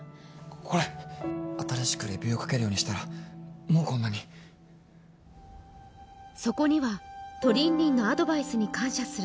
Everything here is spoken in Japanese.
これ新しくレビューを書けるようにしたらもうこんなにそこにはトリンリンのアドバイスに感謝する